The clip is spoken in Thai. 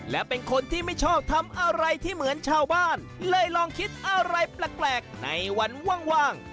และเป็นคนที่ไม่ชอบทำอะไรที่เหมือนชาวบ้านเลยลองคิดอะไรแปลกในวันว่าง